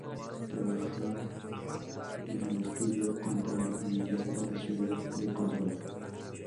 Trabaja en el estudio contable familiar en la ciudad de Córdoba.